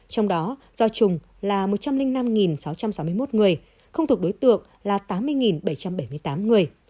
trong đó do trùng là một trăm linh năm sáu trăm sáu mươi một người không thuộc đối tượng là tám mươi bảy trăm bảy mươi tám người